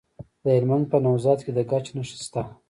د هلمند په نوزاد کې د ګچ نښې شته.